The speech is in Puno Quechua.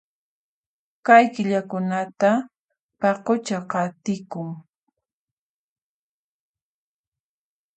Kay killakunata paqucha qatikun